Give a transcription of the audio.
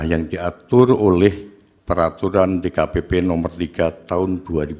yang diatur oleh peraturan di kpp nomor tiga tahun dua ribu tujuh belas